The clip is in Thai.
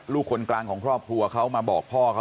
คนกลางของครอบครัวเขามาบอกพ่อเขา